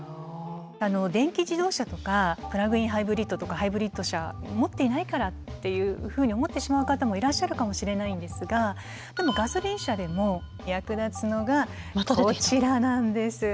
電気自動車とかプラグイン・ハイブリッドとかハイブリッド車持っていないからっていうふうに思ってしまう方もいらっしゃるかもしれないんですがでもガソリン車でも役立つのがこちらなんです。